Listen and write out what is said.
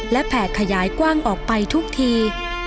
และแผ่ขยายกว้างออกไปทุกที